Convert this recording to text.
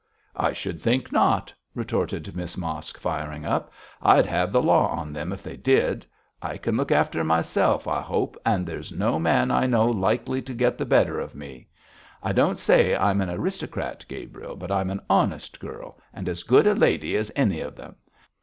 'I should think not,' retorted Miss Mosk, firing up. 'I'd have the law on them if they did. I can look after myself, I hope, and there's no man I know likely to get the better of me. I don't say I'm an aristocrat, Gabriel, but I'm an honest girl, and as good a lady as any of them.